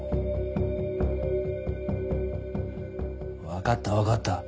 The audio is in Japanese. わかったわかった。